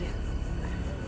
lalu kau tidur di dia